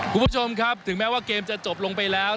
คุณผู้ชมครับถึงแม้ว่าเกมจะจบลงไปแล้ว